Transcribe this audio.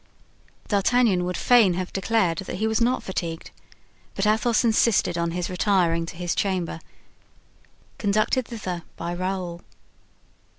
D'Artagnan would fain have declared that he was not fatigued, but Athos insisted on his retiring to his chamber, conducted thither by Raoul.